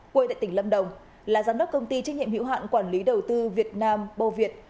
quê tại tỉnh lâm đồng là giám đốc công ty trách nhiệm hiệu hạn quản lý đầu tư việt nam bô việt